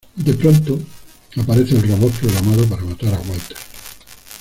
De pronto aparece el robot programado para matar a Walter.